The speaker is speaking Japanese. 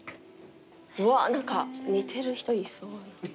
うわ何か似てる人いそう。